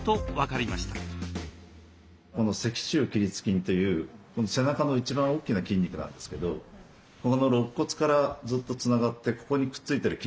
この脊柱起立筋という背中の一番大きな筋肉なんですけどこの肋骨からずっとつながってここにくっついてる筋肉があるんですね。